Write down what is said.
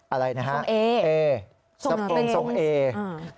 อะไรนะฮะเอ๊ะทรงเอ๊ะทรงเอ๊ะ